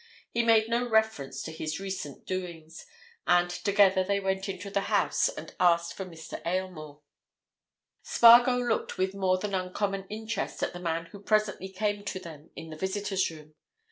He made no reference to his recent doings, and together they went into the house and asked for Mr. Aylmore. Spargo looked with more than uncommon interest at the man who presently came to them in the visitors' room.